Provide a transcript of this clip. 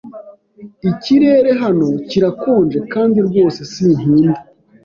Ikirere hano kirakonja kandi rwose sinkunda.